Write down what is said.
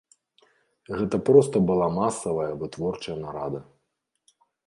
Гэта проста была масавая вытворчая нарада.